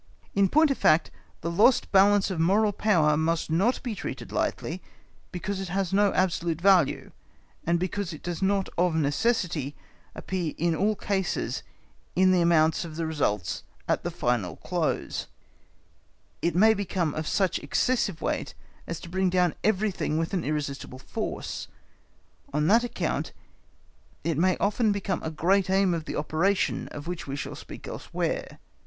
In point of fact, the lost balance of moral power must not be treated lightly because it has no absolute value, and because it does not of necessity appear in all cases in the amount of the results at the final close; it may become of such excessive weight as to bring down everything with an irresistible force. On that account it may often become a great aim of the operations of which we shall speak elsewhere.